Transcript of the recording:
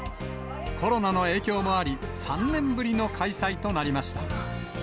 コロナの影響もあり、３年ぶりの開催となりました。